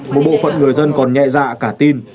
một bộ phận người dân còn nhẹ dạ cả tin